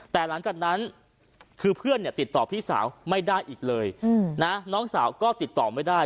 แต่หลังจากนั้นคือเพื่อนเนี่ยติดต่อพี่สาวไม่ได้อีกเลยนะน้องสาวก็ติดต่อไม่ได้